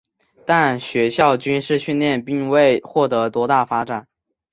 但学校军事训练并未获得多大发展。